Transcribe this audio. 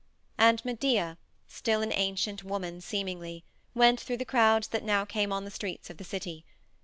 And Medea, still an ancient woman seemingly, went through the crowds that now came on the streets of the city.